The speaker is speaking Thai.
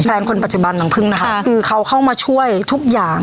คนปัจจุบันรังพึ่งนะคะคือเขาเข้ามาช่วยทุกอย่าง